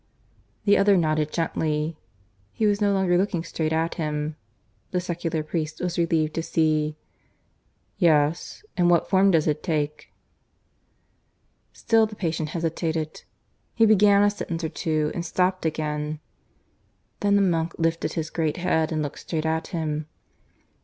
The other nodded gently. He was no longer looking straight at him, the secular priest was relieved to see. "Yes? And what form does it take?" Still the patient hesitated. He began a sentence or two, and stopped again. Then the monk lifted his great head and looked straight at him.